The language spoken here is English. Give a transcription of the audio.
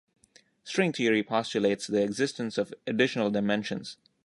String theory postulates the existence of additional dimensions.